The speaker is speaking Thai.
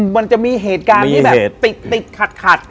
มันจะมีเหตุการณ์ที่แบบติดขัด